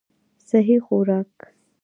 سهي خوراک